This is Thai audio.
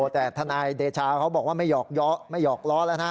แต่ทนายเดชาเขาบอกว่าไม่หยอกเยาะไม่หยอกล้อแล้วฮะ